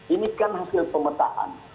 ini kan hasil pemetaan